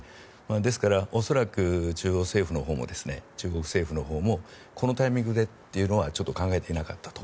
ですから恐らく中国政府のほうもこのタイミングでというのは考えていなかったと。